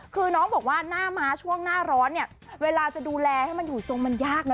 คือน้องบอกว่าหน้าม้าช่วงหน้าร้อนเนี่ยเวลาจะดูแลให้มันอยู่ทรงมันยากนะ